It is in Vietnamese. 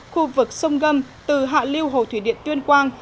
khu vực sông gâm từ hạ lưu hồ thủy điện tuyên quang